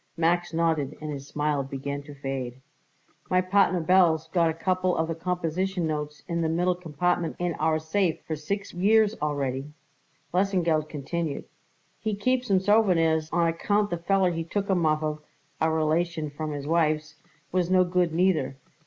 Max nodded and his smile began to fade. "My partner Belz got a couple of the composition notes in the middle compartment in our safe for six years already," Lesengeld continued. "He keeps 'em for sowveneers, on account the feller he took 'em off of a relation from his wife's was no good, neither.